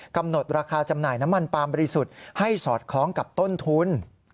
กำหนดราคาจำหน่ายน้ำมันปาล์บริสุทธิ์ให้สอดคล้องกับต้นทุน